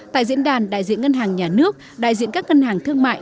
tại diễn đàn đại diện ngân hàng nhà nước đại diện các ngân hàng thương mại